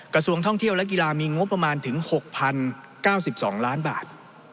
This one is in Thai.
กระทรวงท่องเที่ยวและกีฬามีงบประมาณถึง๖๐๙๒ล้านบาท